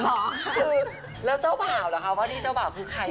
คือแล้วเจ้าเป่าเหรอคะเพราะที่เจ้าเป่าคือใคร